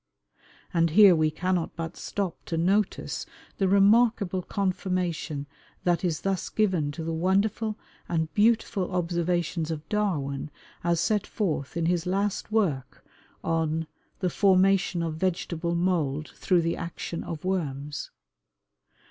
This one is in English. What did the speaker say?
And here we cannot but stop to notice the remarkable confirmation that is thus given to the wonderful and beautiful observations of Darwin as set forth in his last work on "The Formation of Vegetable Mould Through the Action of Worms."